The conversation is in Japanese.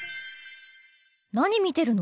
何見てるの？